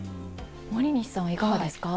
森西さんはいかがですか？